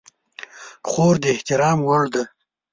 خور د احترام وړ ده.